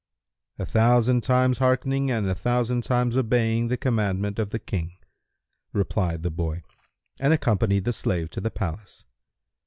"A thousand times hearkening and a thousand times obeying the commandment of the King!" replied the boy and accompanied the slave to the palace.